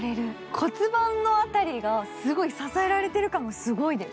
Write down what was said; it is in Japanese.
骨盤のあたりがすごい支えられている感がすごいです。